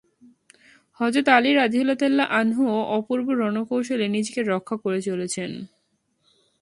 হযরত আলী রাযিয়াল্লাহু আনহুও অপূর্ব রণকৌশলে নিজেকে রক্ষা করে চলেছেন।